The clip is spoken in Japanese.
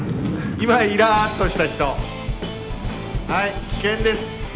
今イラッとした人はい危険です